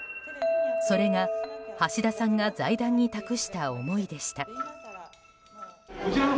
それが、橋田さんが財団に託した思いでした。